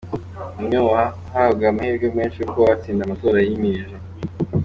Ni umwe mu bahabwaga amahirwe menshi yo kuba batsinda amatora yimirije.